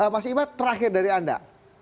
mas ibad terakhir dari anda